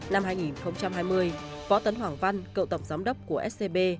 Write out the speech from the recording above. năm hai nghìn hai mươi võ tấn hoàng văn cựu tổng giám đốc của scb